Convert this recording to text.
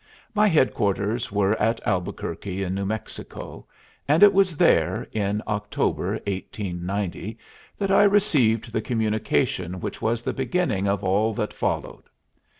My head quarters were at Albuquerque, in New Mexico, and it was there, in October, 1890, that I received the communication which was the beginning of all that followed.